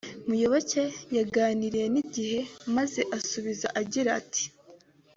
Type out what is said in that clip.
Muyoboke yaganiriye n’igihe maze asubiza agira ati